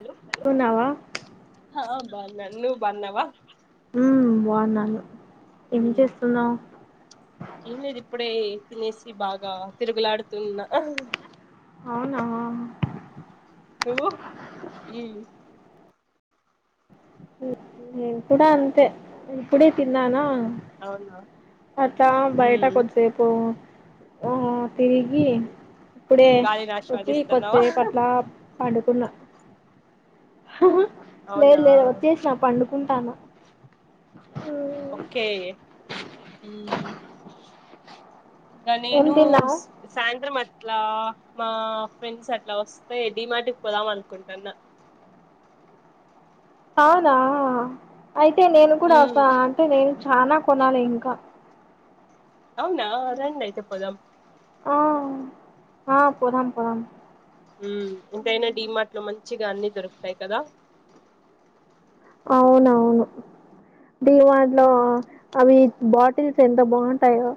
Hello న్నావా ఆ బాన్ననూ నువ్ బాన్నవా హ్మ్ బోన్నాను ఏం మ్మ్. చేస్తున్నావు్ ఏం లేదు ఇప్పుడే తినేసి బాగా తిరుగులాడుతున్న అవునా హము హ్మ్ నేను కుుడా అంతే ఇప్పుడే తిన్ననా అవునా అట్లా బైట మ్మ్. కోచెప్పు ఓహ తిరిగి ఇప్పుడే గాలిని వచ్చి ఆస్వాదిస్తున్నావా కొద్దిసేపు అట్లా పండుకున్న హ హ అవునా చేసిన పండుకుంటాను ఉమ్, ఓకే హ్మ్ ఇంగ ఏం నేను తిన్నావు సాయంత్రం మ అట్లా మా ఫ్రెండ్స్ అట్లా వస్తే డీమాటికి పోదాం అనుకుంటాన్న అవునా అయితే నేను కూడా ఒక మ్మ్. అంటే నేను చానా కొనాలి ఇంకా అవునా రండైతే పోదాం ఆ ఆ పోదాం పోదాం ఉ ఇంకైనా డిమార్ట్ లో మంచిగా అన్ని దొరుకుతాయి కదా అవునవును డి మార్ట్ లో అవి బాటిల్స్ ఎంత బాగుంటాయో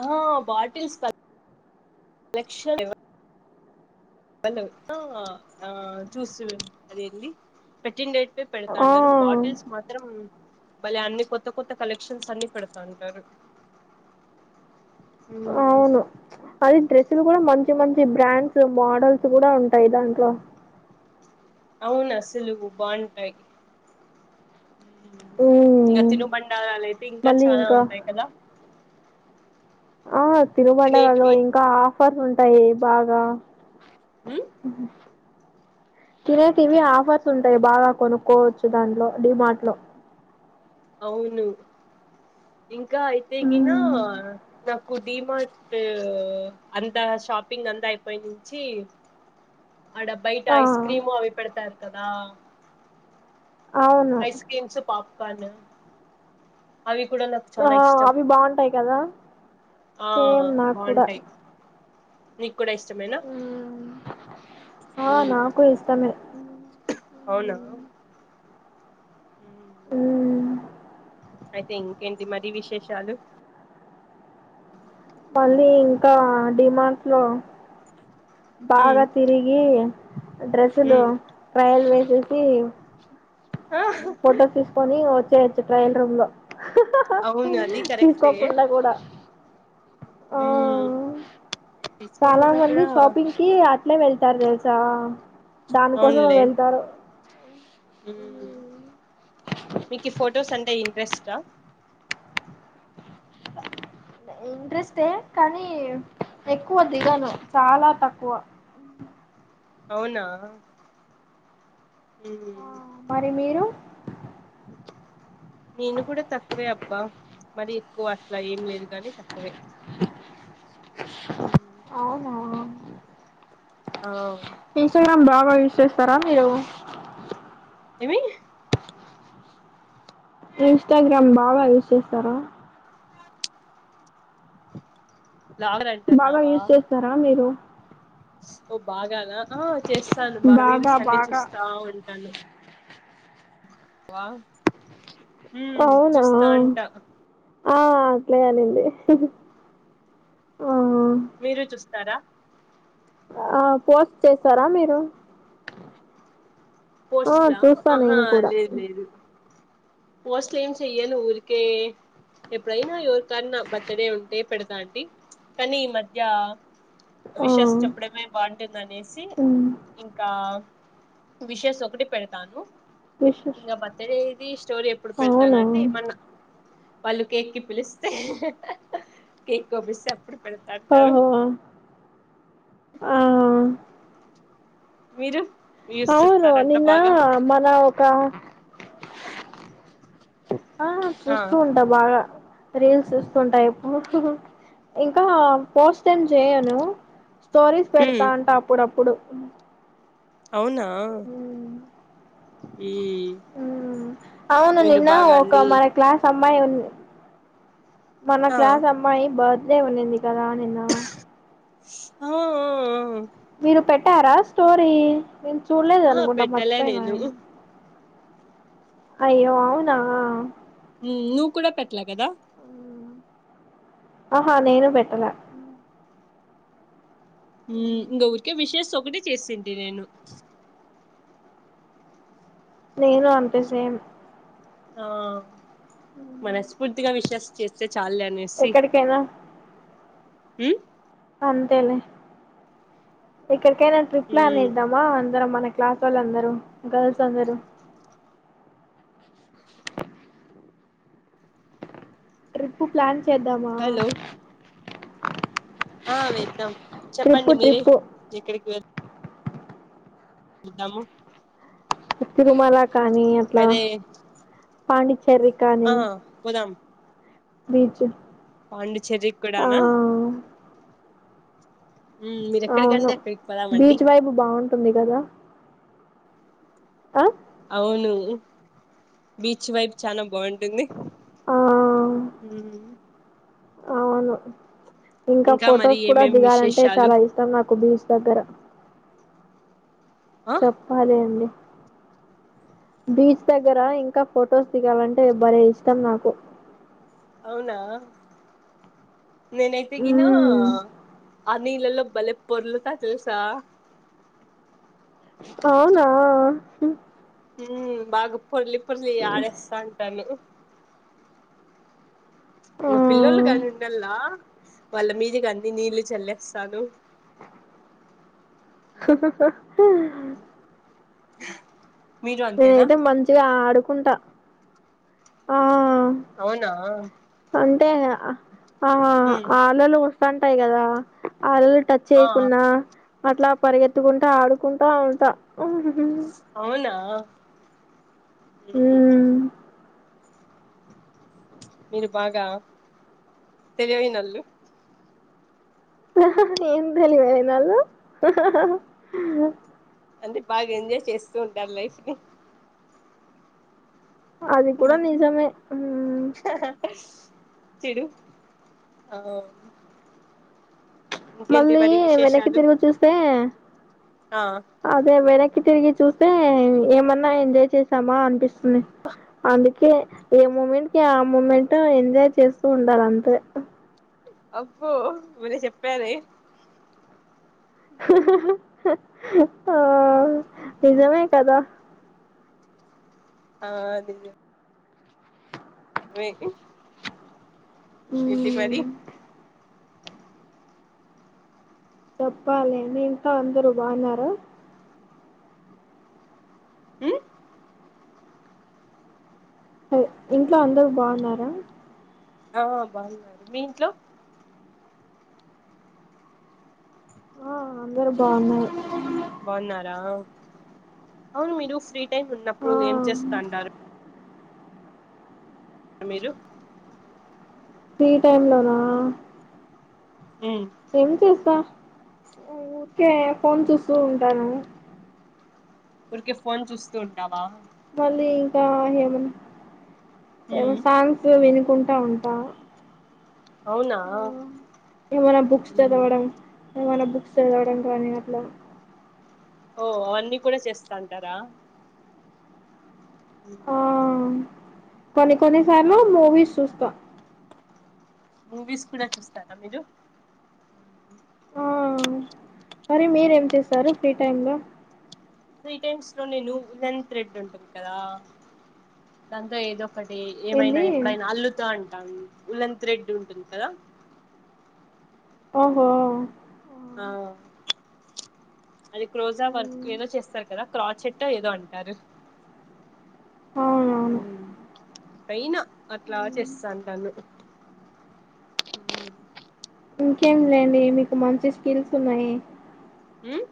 ఆ బాటిల్స్ కలెక్షన్ ల ఆ చూస్తు అదేంది పెట్టిండే ఆ పెడతాంటారు బాటిల్స్ మాత్రం మళ్ళీ అన్ని కొత్త కొత్త కలెక్షన్స్ అన్ని పెడతా ఉంటారు అవును అది డ్రెస్సులు కూడా మంచి మంచి బ్రాండ్స్ మోడల్స్ కూడా ఉంటాయి దాంట్లో అవును అసలు బాంటాయ్ ఇంకా ఉమ్ తినుబండారాలయితే ఇంకా చాలా ఉంటాయి కదా ఆ తినుబండరలలో తినేటివి ఇంకా ఆఫర్లు ఉంటాయి బాగా ఉహు తినేటివి ఆఫర్స్ ఉంటాయి బాగా కొనుక్కోవచ్చు దాంట్లో డిమార్ట్ లో అవును ఇంకా అయితేకిన నా కు డీమార్ట్ అంతా షాపింగ్ అంతా అయిపోయి నుంచి ఆడ బైట ఆ ఐస్ క్రీమ్ అవి పెడతారు కదా అవును ఐస్ క్రీమ్స్ పాప్కార్న్ అవి కూడా నాకు ఆ చాలా ఇష్టం అవి బాగుంటాయి కదా ఆ సేమ్ నాకు కూడా బాగుంటాయి నీకు కూడా ఇష్టమేనా ఉమ్. ఆ నాకు ఇష్టమే అవునా ఉ ఊ అయితే ఇంకేంటి మరీ విశేషాలు మళ్ళీ ఇంకా డిమార్ట్ లో ఉమ్ బాగా తిరిగి డ్రెస్సులు ఉమ్ ట్రయల్ వే చేసి ఆ ఫొటో తీసుకొని వచ్చేయచ్చు ట్రయల్ రూమ్ లో అవును అది తీసుకోకుండా కూడా ఆ ఊ చాలా మంది షాపింగ్ కి అట్లే వెళ్తారు తెల్సా దానికోసమే అవునులే వెళ్తారు మీకు ఫొటోస్ అంటే ఇంట్రెస్టా ఇంట్రెస్టే కానీ ఎక్కువ దిగను చాలా తక్కువ [inaudible] అవునా ఆ ఉమ్ మరి మీరు నేను కూడా తక్కువే అబ్బా మరి ఎక్కువ అట్లా ఏం లేదు గాని తక్కువే [inaudible] ఉ అవునా ఇన్స్టాగ్రామ్ బాగా యూస్ చేస్తారా మీరు ఏమి ఇన్స్టాగ్రామ్ బాగా యూస్ చేస్తారా [inaudible] బాగా అంటున్నావా యూస్ చేస్తారా మీరు బాగానా ఆ చేస్తాను బాగా రీల్స్ అన్ని చూస్తా ఉంటాను వావ్ ఉమ్ అవునా చూస్తా అంటా ఆ అట్లే కానిండి ఇస్తారా ఆ పోస్ట్ చేస్తారా మీరు ఆ పోస్ట్లా చూస్తా ఆహా నేను కూడా లేదు లేదు పోస్ట్ లేం చే్యను ఊరికే ఎప్పుడైనా ఎవరికన్నా బర్త్ డే ఉంటే పెడతా అండి కానీ ఈ మధ్య ఆ విషస్ చెప్పడమే బాగుంటుంది అనేసి ఉమ్, ఇంకా విషేస్ ఒకటిే పెడతాను. విశేష్ ఇంకా బర్త్డేది స్టోరీ ఎప్పుడు అవునా పెడతానంటె మన్న వాళ్ళు కేక్ి పిలిస్తే కేక్ పంపిస్తే అప్పుడు పెడతాంటారు. ఓహో ఆ మీరు యూస్ అవును చేస్తారంట నిన్న బాగా మన ఒక ఆ చూస్తూ ఉంటా బాగా రీల్స్ చూస్తుంట ఇంకా పోస్ట్ ఎమ్ చేయను స్టోరీస్ పెడతా ఉమ్ అంట అప్పుడప్పుడు అవునా ఉమ్ ఉమ్ అవును మీరు నిన్న బాగా ఒక అన్ని మన క్లాస్ అమ్మాయి ఉం మన ఆ క్లాస్ అమ్మాయి బర్త్డే ఉన్నింది కదా నిన్న ఆ ఆ ఆ మీరు పెట్టారా స్టోరీ నేను చూడలేదు ఆహా అనుకుంటా పెట్టలే మర్చిపోయినా నేను అయ్యో అవునా నువ్వు కూడా పెట్టలా కదా ఆహా నేను పెట్టలా ఇంకా ఊరికే విషెస్ ఒకటి చేసింది నేను నేను అంతే సేమ్ ఆ మనస్ఫూర్తిగా విషెస్ చేస్తే చాలు అనేసి ఎక్కడికైనా ఉమ్ అంతేలే ఎక్కడికైనా ట్రిప్ ప్లాన్ ఉమ్ ఏద్దామా అందరం మనకి క్లాస్ వాళ్ళ అందరూ గర్ల్స్ అందరూ ట్రిప్పు ప్లాన్ చేద్దామా హలో ఆ వెద్దాం ట్రిప్పు చెప్పండి మీరే ట్రిప్పు ఎక్కడికి వె వెళ్దమో తిరుమల కానీ అలా పాండిచేరి ఆ కానీ బీచ్ పాండిచేరి ఆ కూడానా ఉమ్ మీరు అవును ఎక్కడికంటే అక్కడికి పోదామండి బీచ్ వైపు బాగుంటుంది కదా ఆ అవును బీచ్ వైపు చానా బాగుంటుంది. ఆ మ్ అవును. ఇంకా మరి ఫొటోస్ కూడా ఏమేం దిగాలంటే విశేషాలు చాలా ఇష్టం నాకు బీచ్ దగ్గర ఆ చెప్పాలి అండి. బీచ్ దగ్గర ఇంకా ఫొటోస్ దిగాలంటే భలే ఇష్టం నాకు. అవునా నేనైతే గినా మ్మ్ అ నీళ్లల్లో బలే పొర్లుతా తెల్సా అవునా హ్మ్ బాగా పొర్లి పొర్లి ఆడేస్తా ఉంటాను. ఆ ఇంగ పిల్లోళ్ళు గా నీళ్లల్లా వాళ్ళ మీదిక్ అన్ని నీళ్లు చల్లేస్తాను. హ హ హా మీరు అంతేనా నేనైతే మంచిగ ఆడుకుంటా. ఆ అవునా? మే ఆ మ్మ్ ఆలల వస్తాటాయి కదా అల టచ్ ఆ చేయకున్నా అట్లా పరిగెత్తుకుంటా, ఆడుకుంటా, ఉంటా. అవునా మ్ మీరు బాగా తెలివైనోళ్ళు. ఏం తెలివైనోళ్ళు? అంటే బాగా ఎంజాయ్ చేస్తూ ఉంటారు లైఫ్ని అది కూడా నిజమే. మ్ తిడు అవున్ మళ్ళీ వెనక్కి విశేషాలు తిరురు చూస్తే ఆ అదే వెనక్ క్కి తిరిగి చూస్తే ఏమన్నా ఎంజాయ్ చేసామా అన్పిస్తుంది. అందుకే ఏ మూమెంట్కి ఆ మూమెంట్ ఎంజాయ్ చేస్తూ ఉండాలంతే అబ్బో భలే చెప్పారే ఆ నిజమే కదా ఆ అదిగ వేకి మ్... చెప్పాలి మీ ఇంట్లో అందరు బాగున్నారు? మ్ హాయ్ ఇంట్లో అందరు బాగున్నారా? ఆ బాగున్నారు, మీ ఇంట్లో? ఆ అందరు బాగున్నారు బావున్నారా అవును మీరు ఫ్రీ టైమ్ ఆ ఉన్నప్పుడు ఏం చేస్తంతాటారు? మీరు? ఫ్రీ టైమ్ లోనా? ఉమ్ ఏం చేస్తా ఊర్కే ఫోన్ చూస్తూ ఉంటాను. ఊర్కే ఫోన్ చూస్తూ ఉంటావా వల్లీ ఇంకా హేమన్ ఉమ్ హేమన్ సాంగ్స్ వినుకుం ఉంటా అవునా ఆ ఏమనా బుక్స్ ఉమ్ చదవడం ఏమైనా బుక్స్ చదవడం కానీ అట్లా ఓ అవన్నీ కూడా చేస్తాంటారా హ ఆ కొన్ని కొన్ని సార్లు మూవీస్ చూస్తాం మూవీస్ కూడా చూస్తారా మీరు ఆ మరి మీరేం చేస్తారు ఫ్రీ టైమ్ లో ఫ్రీ టైమ్స్లో నేను వులేన్ థ్రెడ్ ఉంటుంది కదా దాంతో ఏదో ఓక్కటి ఏమైనా ఏంది ఎప్పుడైనా అల్లుతా అంటాం వులేన్ థ్రెడ్ ఉంటుంది కదా ఓహో ఉమ్, ఆ అది క్లోజ్ఆ వర్క్ ఏదో చేస్తారు కదా క్రా చెట్టో ఏదో అంటారు అవునవును అయినా అట్లా చేస్తాంటనుు ఇంకేం లేండి మీకు మంచి స్కిల్స్ ఉన్నాయి ఉమ్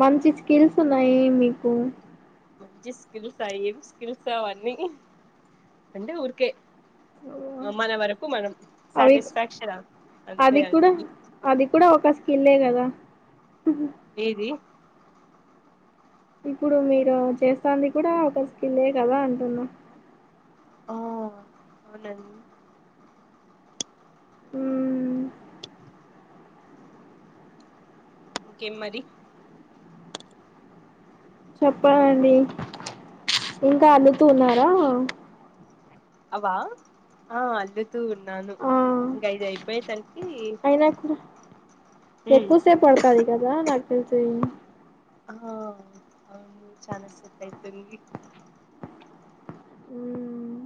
మంచి స్కిల్స్ ఉన్నాయి మీకు మంచి స్కిల్సా ఏమి స్కిల్స్వన్నీ అంటే ఊరికే సో, మన వరకు మనం అవి సాటిస్ఫాక్షన్ అంతే అది కూడా అండి అది కూడా ఒక స్కిల్లే కదా ఏది ఇప్పుడు మీరు చేస్తాంది కూడా ఒక స్కిల్లే కదా అంటున్నా ఆ అవునండి అమ్ ఇంకేం మరి చెప్పాలండి ఇంకా అల్లుతున్నారా అవా ఆ అల్లుతూ ఉన్నాను ఇంక ఐదు అయిపోయి తన్ అయినాకు ఉమ్ ఎక్కువసేపు పడతది కదా నాకు తెల్సి ఆ అవునూ చాలాసేపైతుంది ఉమ్మ్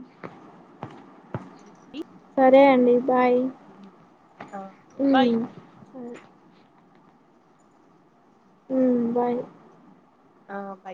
ఇ సరే అండి బాయ్ ఆ బాయ్ సరే ఉ బాయ్ ఆ బయ్